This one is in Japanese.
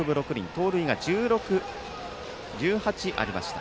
盗塁が１８ありました。